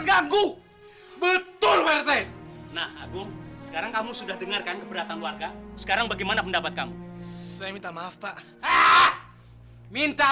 nggak tahu apa kalau di rumah sini ada anak yang sakit